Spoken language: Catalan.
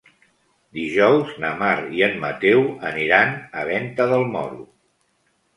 Dijous na Mar i en Mateu aniran a Venta del Moro.